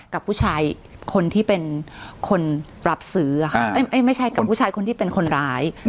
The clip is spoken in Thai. กับผู้ชายคนที่เป็นคนรับซื้อค่ะไม่ใช่กับผู้ชายคนที่เป็นคนร้าย